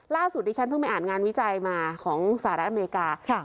ดิฉันเพิ่งไปอ่านงานวิจัยมาของสหรัฐอเมริกา